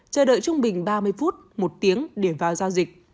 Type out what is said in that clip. chờ đợi trung bình ba mươi phút một tiếng để vào giao dịch